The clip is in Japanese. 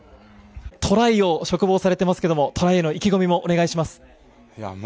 トライを嘱望されてますけどトライへの意気込みをお願いします。